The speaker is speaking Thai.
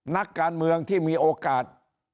นักการเมืองที่มีโอกาส